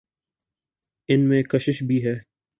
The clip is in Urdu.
ان میں کشش بھی ہے۔